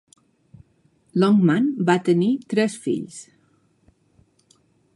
Longman va tenir tres fills.